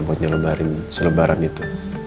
buat nyelebarin selebaran itu